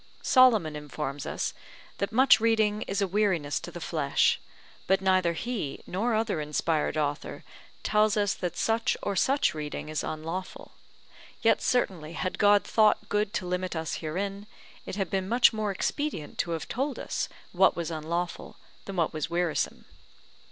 Solomon informs us, that much reading is a weariness to the flesh; but neither he nor other inspired author tells us that such or such reading is unlawful: yet certainly had God thought good to limit us herein, it had been much more expedient to have told us what was unlawful than what was wearisome.